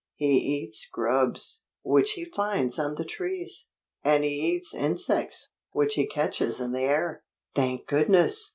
"He eats grubs, which he finds on the trees. And he eats insects, which he catches in the air." "Thank goodness!"